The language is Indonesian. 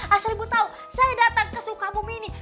asal ibu tahu saya datang ke sukabumi ini